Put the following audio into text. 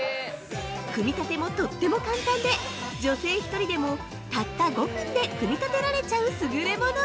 組み立てもとっても簡単で女性１人でも、たった５分で組み立てられちゃう優れもの！